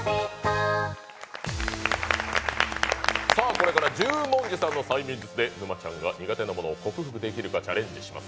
これから十文字さんの催眠術で沼ちゃんが苦手なものを克服できるかチャレンジします。